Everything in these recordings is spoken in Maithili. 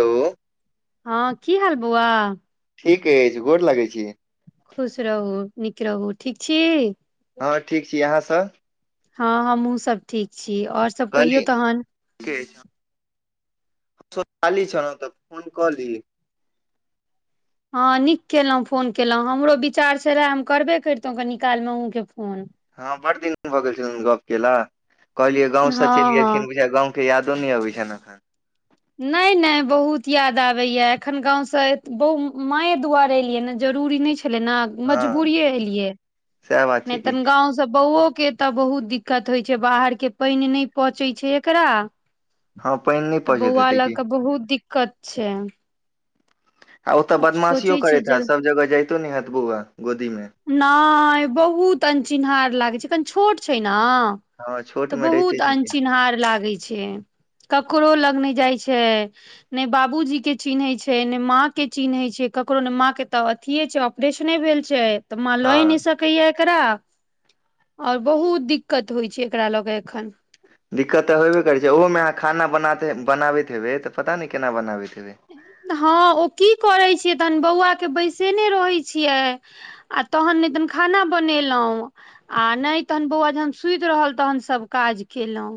हो हँ की हाल बौआ ठीक अछि गोर लागय छी खुश रहू नीक रहू ठीक छी हँ ठीक छी अहाँसँ हँ हमहुूँ सभ ठीक छी और सब कहियौ कहली तहन ठीक अछि। हमहुँ खाली छ ने तऽ फोन कऽ लिय ह नीक केलहुँ फोन केलहुं हमरो विचार से रहे हम करबे करितो कनी काल मे अहुँ के फोन हँ बड दिन भऽ गेल छलनि गप के ल कहलियै गाँंव से हँ चलि गेलखिन हँ बुझे गाँंव यादो न अबै छै ने एखन नहि नहि बहुत याद आबैय एखन गाँवसँ बहु मायए दुआर एलियैन जरूरी जरूरि नै छलै न हँ मजबुरीये एलीयै सएह बात छै नहि त कि गांव सँ‌ ब‌उआ के तऽ बहुत दिक्कत होइ छै बाहर के पाइन नहि पचै छै एकरा हँ पानि नहि तऽ पचैत बौआ हेतै लऽ की कऽ बहुत दिक्कत छै आ ओतऽ आब बदमाशियो सोचै छी करैत जे हेत सब जगह जइतो न हेतबौआ नहि बहुत अनचिन्हार लागै छै कनी छोट छै ने हँ हँ छोट त मे रहिते बहुत छै कि अनचिन्हार लागै छै कख करो लग नहि जाइ छै ने बाबूजी के चिन्है छै ने माँ के चिन्है छै ककरो न माँ के तऽ अथीय छै ऑपरेशने भेल छै तऽ माँ हँ लय नहि सकैया एकरा आओर बहुत दिक्कत होइ छै एकरा लऽ के एखन दिक्कत तऽ होेबे करै छै ओहोमे अहाँ खाना बनाबैत हेबै तऽ पता नहि केना बनाबैत हेबै हँ ओ की करै छै छ तहन बौआ के बैसेने रहै छियै आ तहन नहि तन खाना बनेलहुं आ नहि तहन बौआ जखन सुति रहल तहन सभ काज केलहुँ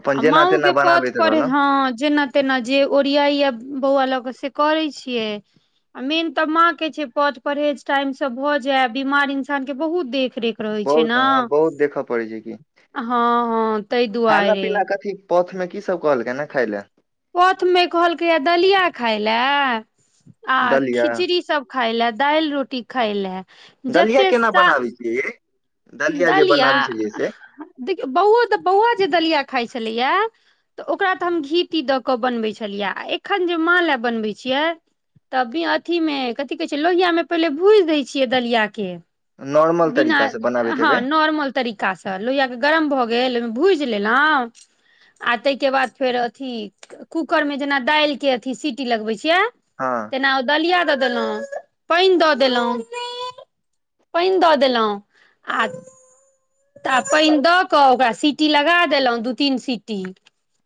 अपन आ जेना माओ तेना के कथ बनाबैत पर रहलहुँ हँ जेना तेना जे ओरियाइ या बौआ लऽ कऽ से करै छियै आ मेन तऽ माँ के छै कथ परहेज टाइम से भऽ जाय बीमार इंसान के बहुत देख रेख रहै छै बहुत ने हँ बहुत देखऽ पड़ै छै कि हँ हँ तहि खाना दुआरे पीना कथी पथ में की सब कहलकै ने खाय ले पथमे कहलकैयए दलिया खाय लए आ दलिया खिचड़ी सब खाइ ले दालि रोटी खाइ लए दलिया जते केना सा बनाबै छियै यै जे दलिया बनाबै छलियै से देखियऔ बौ तऽ बौआ जे दलिया खाय छै छलैया तऽ ओकरा तऽ हम घी ती दऽ क बनबै छलियै आ एखन जे माँले बनबै छियै तब अथिमे कथि कहै छै लोहिआमे पहिले भूजि दै छियै दलिया के नॉर्मल बिना तरीका से बनाबैत हेबै हाँ नॉर्मल तरीकासे लोहिया के गरम भऽ गेल गेल ओहिमे भूजि लेलहुँ आ ताहि के बाद फेर अथी कूकर मे जेना दाइल के अथी सीटी लगबै छी हँ तेना दलिया ददेलउ पाइन देलउ पाइन दऽ देलउ आ तऽ आ पाइन दऽ कऽ ओकरा सीटी लगा देलहुँ दू तीन सीटी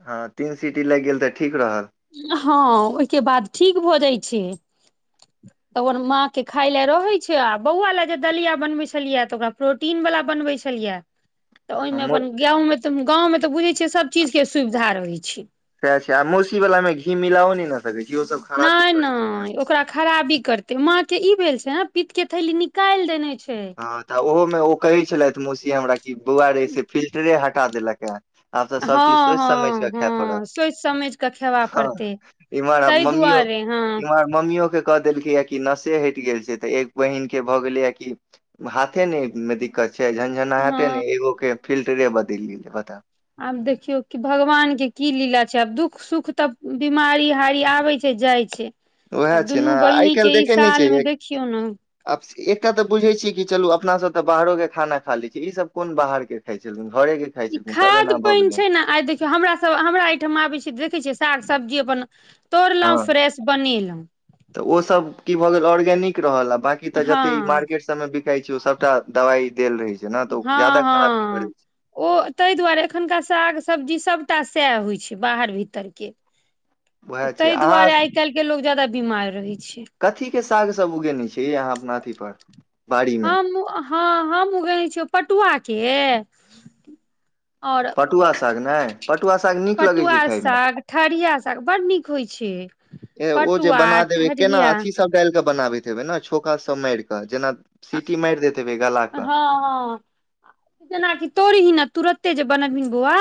हं तीन सिटी लागि गेल तऽ ठीक रहल हँ ओहिके बाद ठीक भऽ जाइ छै [unintelligible] त ओकर माँ के खाय ले रहे छै आ बौआ ले जे दलिया बनवे छलिये ते ओकरा प्रोटीन वाला बनवै छलिय यै तऽ ओहिमे हमहुँ अपन गावं मे तऽ गाँव तऽ बुझै छियै सब चीज के सुविधा रहै छै से मौसी बलामे घी मिलाउनी नै नहि नहि ओकरा खराबी करतै माछ के ई भेल छै ने पित के थैली निकालि देने छै हाँ तऽ ओहोमे ओ कहै छलथि मौसी हमरा कि बौआ रे से फिल्टरे हटा देलक हे आब तऽ सब हँ चीज सोचि समझ हँ क खाय पड़त हँ सोचि समझि कऽ खेबा ह पड़तै इमहर ताहि मम्मी दुआरे हँ इम्हर मम्मीयो के कह देलकै या कि नसे हटि गेल छै तऽ एक बहिन के भऽ गेलै हय कि हाथे नहि मे दिक्कत छै झनझना हेते ने हँ एगो के फिल्टरे बदलि बता आबत देखियौ कि भगवान के की लीला छै आब दुःख सुख तऽ बिमारी हारी आबे छै जाइ छै उएह आब छै ने दुनू आइ बहिनी काल्हि के ई देखे नहि साल मे छियै देखियौ ना आब एकटा तऽ बुझै छी कि चलू अपना सब तऽ बाहरो के खाना खा ले छी ई सब कोन बाहर के खाइ छल ई खाद पानि छै ने आइ देखियौ हमरा सब हमरा एहिठाम आबै छै देखै छिय साग सब्जी बनल हाँ तऽ ओ सब की भऽ गेल ओर नीक रहल बाकी तऽ जते ई हँ मार्केट सब मे बिकाई छै ओ सबटा दवाई देल रहे छै ने तऽ ओ हाँ जादा खराबी हाँ करै छै ओ ताहि दुआरे एखनका साग सब्जी सबटा सएह होइ छै बाहर भीतर के उएह तऽ छै ताहि अहाँ दुआरे आइ काल्हिके लोक ज्यादा बीमार रहै छै कथी के साग सब उगे ने छी अहाँ अपना अथी पर बाड़ी ह मे हम उगेने छिय पटुआ के [inaudible] पटुआ साग नहि पटुआ साग नीक लगै पटुआ छै खायमे साग ठरिया साग बड़ नीक होइ छै ए ओ जे पटुआ बना देबै केना ठरिया हँ अथीसब डाल कऽ बनाबैत हेबै ने छौकासब मारि कऽ जेना सीटी मारि दैत हेबै गला हाँ कऽ हाँ जेनाकी तोरी हिना तुरत एते जे बनबही बौआ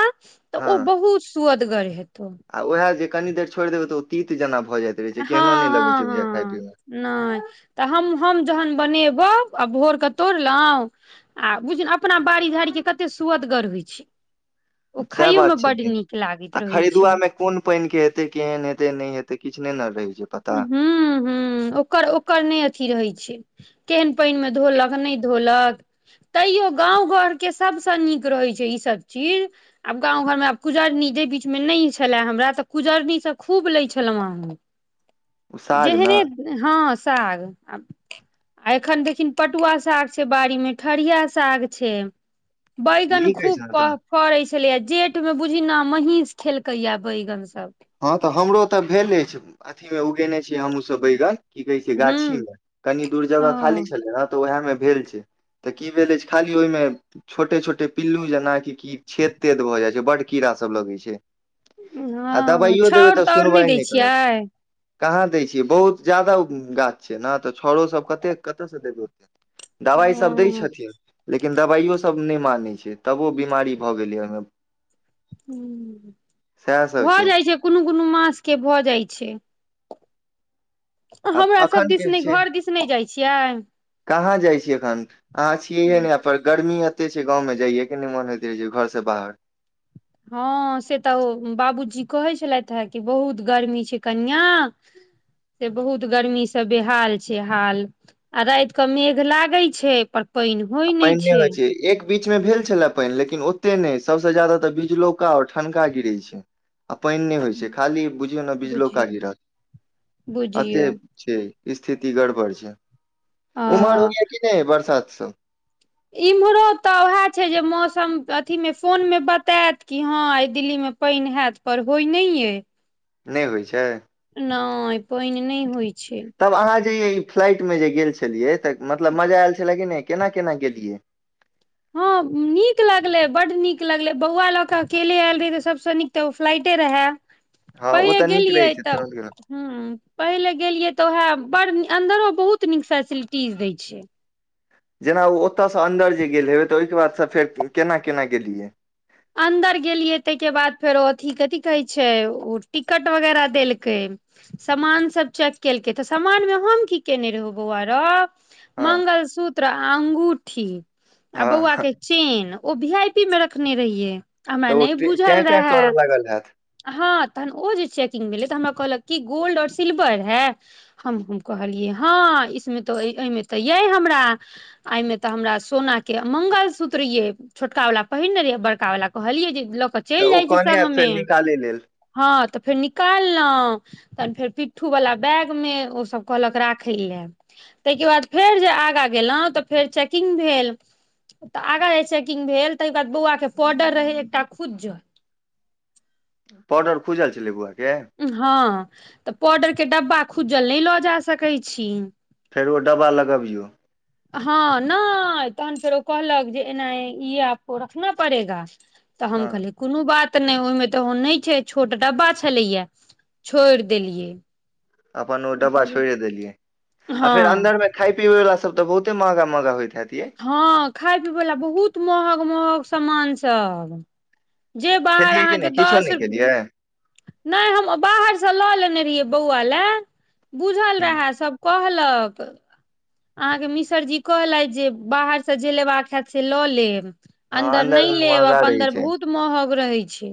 तऽ हँ ओ बहुत सुअदगर हेते आ उएह जे कनी देर छोड़ि देबै तऽ ओ तीत जेना भऽ जाइत रहै छै केहनो नहि हाँ लगै छै हाँ बुझाय खाय हाँ पियए मे नहि तऽ हम हम जहन बनेबउ आ भोरके तोड़लहुँ आ बुझल अपना बाड़ी झाड़ी के कते सुअदगर होइ छै ओ सएह खाइयो मे बात छै बड नीक लागैत आ रहै छै खरीदुआमे कोन पाइन के हेतै केहन हेतै नहि हेतै किछ नहि न गै ह्म ह्म ओकर ओकर नहि अथी रहैत छै केहन पइन मे धोलक नहि धोलक तैयो गाँव घर के सबसे नीक रहैत छै ई सब चीज आब गाँव घरमे आब पूजा कुजरनी जे बीच मे नहि छले हमरा तऽ कुजरनीसे खूब लै छलहुँ ओ साग ने जेहने हाँ साग आ आ एखन देखिन पटुआ साग छै बाड़ीमे खरिया साग छै बैगन नीक खूब अछि ने प तऽ फड़ै छै खेलैया जेठ मे बुझी न महींस खेलकै है बैंगन सब हँ तऽ हमरो तऽ भेले अछि अथीमे उगेने छीयै हमहूँसब बैगन की कहै छै गाछी हूँ मे कनि दूर ओ जगह खाली छलै ह तऽ उएह मे भेल छै तऽ की भेले छै खाली ओहिमे छोटे छोटे पिल्लू जेनाकि क छेद तेद भऽ जाय छै बड कीड़ा सब लगै छै आ हँ दबाइयो देबय छाउर तऽ ताउर सुनवाइ दै नहि करत छियै कहाँ दै छियै बहुत ज्यादा गाछ छै ने तऽ छौड़ो सब कतेक कतयसँ देबै ओतेक दबाइसब दय हँ छथिन लेकिन दबाइयो सब नहि मानय छै तबो बिमारी भए गेलय ओहिमे सएह ह सब भऽ जाइ छै कोनो कोनो मासके भऽ जाइ छै आब हमरा सब एखन के दिसनै छै घर दिसनै जाइ छियै कहाँ जाइ छी अखन अहाँ छियै हे ने पर गर्मी ते छै गाँवमे जाइयए के नहि मन होइत रहै छै घर से बाहर हँ से तऽ ओ बाबूजी कहै छलैथ हे कि बहुत गर्मी छै कनिआ से बहुत गर्मी से बेहाल छै हाल आ राइत कऽ मेघ लागैत छै पर पानि होइ नहि पैने होइ छै एक बीच मे भेल छलै पाइन लेकिन ओते नहि सब जादा तऽ बिजलौका और ठनका गिरै छै आ पाइन नहि होइ छै खाली बुझियौ ने बिजलोका बुझियौ गिरत अते बुझियौ छै स्थिति गड़बड़ छै आ उमहर होया कि नहि बरसात सब इम्हरो तऽ उएह छै जे मौसम अथीमे फोन मे बतायत कि हँ दिल्लीमे पाइन हैयत पर होइ नहि अ नहि होइ छै नहि पाइन नहि होइ छै तब अहाँ फ्लाइट मे जे गेल छलियै तऽ मतलब मजा आयल छलै कि नहि केना केना गेलियै [inaudible] हँ नीक लगलय बड्ड नीक लगलय बौआ लऽ कऽ अकेले आयल रही तऽ सभसँ नीक तऽ ओ फ्लाइटे रहय हँ ओ पहिले तऽ नीक रहै गेलियै छै तऽ तुरन्त गेलौ ह पहिले गेलियै तऽ उएह बड़ अन्दरो बहुत बहुत नीक फेसिलिटीज दै छै जेना ओ ओतयसँ अन्दर जे गेल हेबै तऽ ओहिके बादसँ फेर केना केना गेलियै अन्दर गेलियए ताहिके बाद फेरो अथी कथी कहै छै ओ टिकट वगैरह देलकै सामान सब चेक केलकै तऽ सामान मे हम की केने रहौ बौआ रौ हँ मंगलसूत्र अंगूठी आ बौआ हँ के चेन ओ भी आई पी मे रखने रहिये हमरा तऽ ओ नहि टें बुझल टें करय रहैहं लागल हैत तहन ओ जे चेकिंग भेले तऽ हमरा कहलक क गोल्ड ओर सिल्वर है हमहुँ कहलियै हँ इसमे तो मे ते ये हमरा एहिमे ते हमरा सोना के मंगलसूत्र ये छोटका वाला पहिरने रहियै बड़का वाला कहलियै जे लऽ क चलि तऽ ओ जाइ छी कहने हैत फेर संगमे निकालै लेल हँ तऽ फेर निकाललहुँ तहन फेर पिट्ठूवला बैगमे ओसभ कहलक राखय लेए ताहिके बाद फेर जे आगाँ गेलहुँ तऽ फेर चेकिंग भेल तऽ आगाँ जे चेकिंग भेल तऽ ई के बाद बौआके पॉर्डर रहै एकटा खूद ज पर्डर खुजल छलै बौआ के हँ तऽ पाडर के डब्बा खुजल नहि लऽ जा सकैत छी फेर ओ डब्बा लगाबियौ हँ नहि तहन फेरो ओ कहलक जे एना ई आपको रखना पड़ेगा तऽ हम हँ कहलियै कोनो बात तऽ नहि ओहिमे तऽ ओ नहि छै छोट डब्बा छलैया छोड़ि देलियै अपन ओ डब्बा बुझलियै। छोइड़ देलियै आ हँ फेर अन्दर में खाय पियबै वला सब त बहुते महांगा महांगा होइ छै हँ खाय पियबै बला बहुत महंग महंग सामानसब जे तऽ बाहर खेलियै कि अहाँके नहि किछो दस नहि खेलियै रूप नहि हम बाहर से लऽ लेने रहियै बौआ ल बुझल रह सब कह लक अह मिसर जी कहल जे बाहर से जे लेबाक हयत से लऽ लेब हँ अन्दर नहि मे महंगा लेब रहै अन्दर छै बहुत महग रहै छै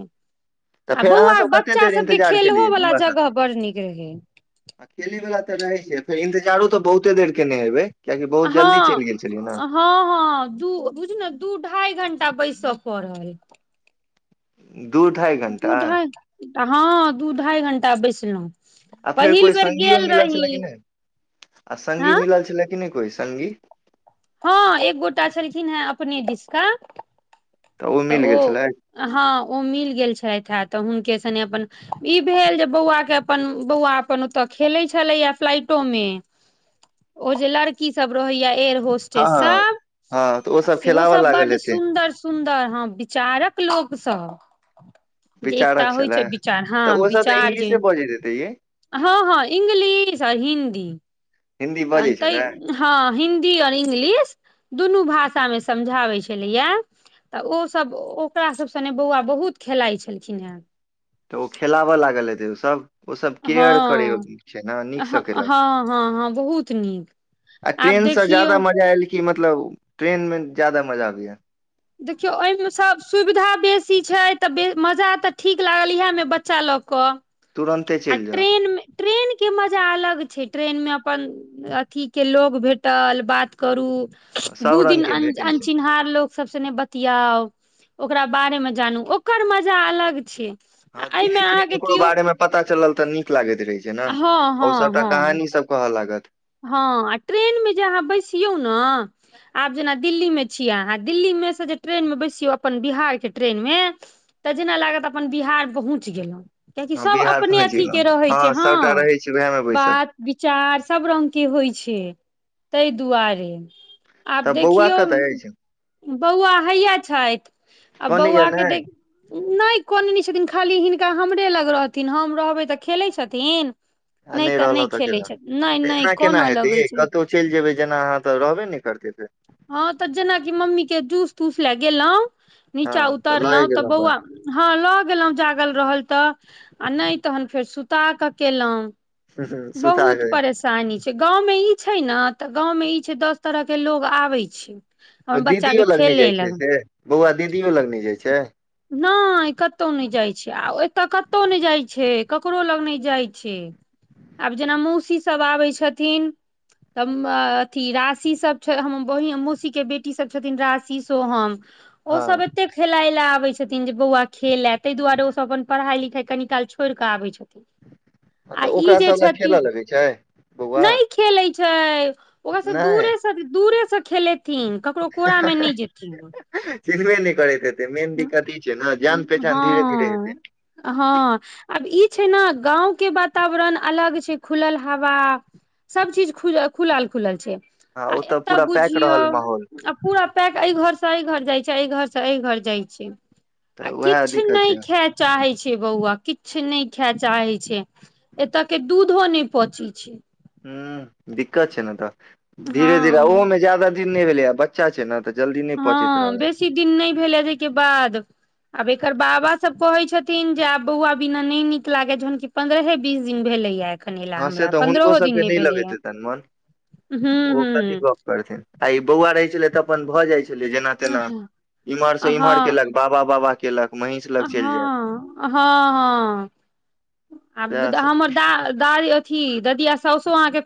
तऽ आ फेर अहाँ बौआ सब कते बच्चा देर सभके इन्तजार केलियै खेलहोवला बौआ जगह साथे बड़ नीक रहै आ खेलै वला तऽ रहै छै फेर इंतजारो तऽ बहुते देर केने हेबै कियाकि बहुत जल्दी हँ चलि गेल छलियै ने हँ हँ दू बुझ ने दू ढाइ घण्टा टा बयीस सपड़ल दू ढाइ घण्टा ऽ हँ दू ढाइ घंटा बैसलहुँ आ फेर पहिल कोइ बेर संगी गेल मिलल रही छलै कि नहि आ संगी हँ मिलल छलैय कि नहि कोइ संगी हँ एक गोटा छलखिन हेँ अपने दिश का तऽ मिल ओ गेल छलै हँ ओ मिल गेल छथि हैत तऽ हुनके सनि अपन ई भेल जे बौआ के अपन बौआ अपन ओतऽ खेले छलैय या फ्लाइटो ओजे लड़की सब रहय ये एयर हँ होस्टेस सब हँ तऽ ओसभ सेहो खेलाबऽ सब लागल बड हेतै सुंन्दर सुन्दर हँ विचारक लोकसँ जे एकटा विचारक होइ छै छलै विचार हँ तऽ ओसभ तऽ विचार जे इंग्लिशे बजैत हेतै ये हँ हँ इंग्लिश आ हिन्दी हिन्दी त बजै छलै तऽ हँ हिन्दी आओर इंग्लिश दुनू भाषा मे समझाबै छलैया तऽ ओसभ ओकरा सभ सने बौआ बहुत खेलाइत छलखिन हेँ तऽ ओ खेलाब लागल हेतै ओ सभ ओ सब हँ केयर करै छै न निक से हँ केलक हँ हँ हँ बहुत नीक आ आब ट्रेनसँ देखियौ ज्यादा मजा आयल कि मतलब ट्रेनमे ज्यादा मजा अबैए देखियौ एहिमे सभ सुविधा बेसी छै तऽ बे मजा तऽ ठीक लागल इएहमे बच्चा लक पक तुरन्ते चलि जाउ ट्रेने के मजा अलग छै ट्रेन मे अपन अथीके लोग भेटल बात करू सब दू रंग दिन के अ भेटै छै अनछिनहार लोक सब से ने बतियाउ ओकरा बारे मे जानू ओकर मजा अलग छै आ हँ धीरे एहिमे धीरे अहाँके ककरो केओ बारे मे पता चलल तऽ नीक लागैत रहै छै ने हँ ओ हँ सबटा हँ कहानी सब कहऽ लागत हँ आ ट्रेनमे जे अहाँ बैसियौ न आब जेना दिल्लीमे छियै अहाँ दिल्लीमे मे से जे ट्रेन मे बैसियौ अपन बिहार के ट्रेन मे तऽ जेना लागत अपन बिहार पहुँच गेलौं कियकि हँ सब बिहार अपने पहुँच अथी गेलहुँ के रहै छै हँ सभटा रहै छी उएह मे बैसल बात विचार सब रंग के होइ छै ताहि दुआरे आब तऽ बौआ देखियौ कतऽ अछि बौआ हैया छथि आ कने या बौआ के नहि देख नहि कनैय नहि छथि छथिन खाली हिनका हमरे लग रहथिन हम रहबै तऽ खेलैत छथिन आ नहि तऽ नहि रहलहुँ खेलै केला छै नहि तऽ नहि एना केना कानऽ हेतै लगै यय छै कतहु चलि जेबै जेना अहाँ तऽ रहबे नै करतै फेर हँ तऽ जेनाकि मम्मी के जूस तूस लए गेलहुँ हँ नीचा उतर लौ लए तऽ गेलहुँ बौआ हँ ल गेलहुँ जागल रहल तऽ आ नहि तहन फेर सुता क केलहुँ बस सुता बहुत कऽ परेशानी छै गाँवमे ई छै ने तऽ गाँव मे ई छै दस तरह के लोग आबै छै ओ हमर बच्चा दीदियो के लगने खेले जाइ छै लग से बौआ दीदियो लगने जाय छै नहि कतहु नहि जाइ छै आ एतय कतहु नहि जाइ छै ककरो लग नहि जाइ छै आब जेना मौसीसभ आबै छथिन त म अथी राशि सब हमर बहि मौसी के बेटी सब छथिन राशि सोहम ओ हँ सब एते खेलाय ले आबै छै छथिन जे बौआ खेले ता दुआरे ओसभ अपन पढ़ाई लिखाई कनी काल छोड़िकऽ आबैत छथि तऽ आ ई ओकरा जे सब लग खेलऽ छथिन लगै छै बौआ नहि खेलै छई ओकरा से नहि दूरे से दुरे खेले थिन ककरो कोरा मे नहि जेथिन चिन्हेबे नइ करैत हेत ह्म धीरे हेतै हँ हाँ आब ई छै ने गाँंव के वातावरण अलग छै खुलल हवा सब चीज खुजल खुलल खुलल छै हँ आ ओतऽ एत पूरा पैक बुझियौ रहल माहौल आ पूरा पैक एहि घर से एहि घर जाइ छै च अय घर स अय घर जाय छै आ तऽ उएह किछु दिक्कत नहि छै खेए चाहै छै छै बौआ किछु नहि खे‌ए चाहे छै एतय के दूधो नहि पचै छै हं दिक्कत छै ने तऽ धीरे धीरे हँ ओहोमे ज्यादा दिन नहि भेलै ह बच्चा छै ने तऽ जल्दी नहि पहुँचैत हँ रहल बेसी दिन नहि भेलै जेहिके बाद आब एक एकर बाबा सब कहे छथिन जे आब बौआ बिना नहि नीक लागे जहन कि पन्द्रहे बीस दिन भेले या हँ से तऽ हुनको सभके नहि लगैत हेतैन मोन हूँ ओ कथी हूँ गप करथिन आ ई बौआ रहै छलै अपन भऽ जाय छलै जेना तेना हँ इम्हर स इम्हर केलक बाबा बाबा केलक महींष हँ लग चलि जायत हँ हँ आब सएह दा सब हमर दा दाय अथी ददिया साउसो अहाँके